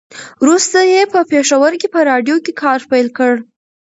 وروسته یې په پېښور کې په راډيو کې کار پیل کړ.